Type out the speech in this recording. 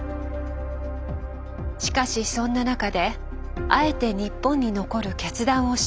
しかしそんな中であえて日本に残る決断をした外国人。